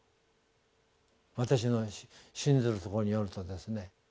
私の信ずるところによるとですね。